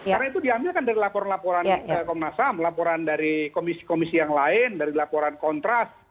karena itu diambilkan dari laporan laporan komnas ham laporan dari komisi komisi yang lain dari laporan kontras